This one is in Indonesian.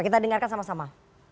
kita dengarkan sama sama